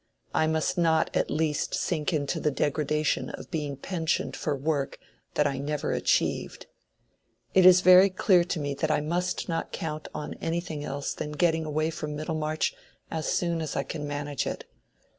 I must not at least sink into the degradation of being pensioned for work that I never achieved. It is very clear to me that I must not count on anything else than getting away from Middlemarch as soon as I can manage it.